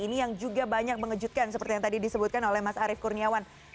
ini yang juga banyak mengejutkan seperti yang tadi disebutkan oleh mas arief kurniawan